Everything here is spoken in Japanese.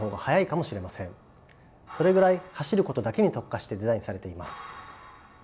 それぐらい走ることだけに特化してデザインされています。